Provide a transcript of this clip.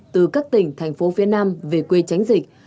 từ các tỉnh thành phố phía nam về quê tránh dịch